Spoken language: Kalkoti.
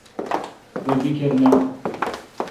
رو بیکھر نہ۔